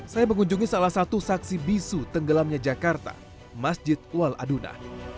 saya mengunjungi salah satu saksi bisu tenggelamnya jakarta masjid wal aduna